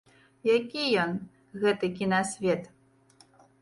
Які ён, гэты кінасвет?